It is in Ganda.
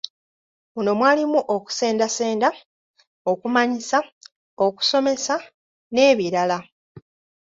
Muno mwalimu okusendasenda, okumanyisa, okusomesa n’ebirala.